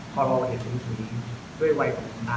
พอเราเห็นจริง